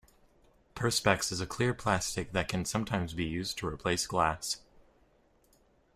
Perspex is a clear plastic that can sometimes be used to replace glass